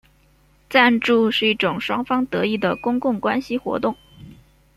赞助是一种双方得益的公共关系活动。